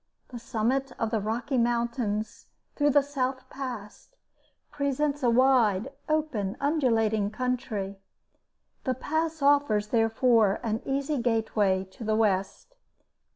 The summit of the Rocky Mountains, through the South Pass, presents a wide, open, undulating country. The Pass offers, therefore, an easy gateway to the West.